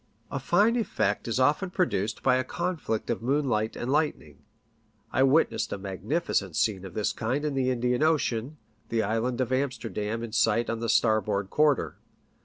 A fine effect is often produced by a conflict of moon light and lightning, I witnessed a magnificent scene of this kind in the Indian Ocean, the island of Amsterdam in sight on the starboard quarter.